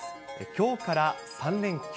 きょうから３連休。